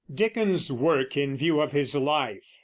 DICKENS'S WORK IN VIEW OF HIS LIFE.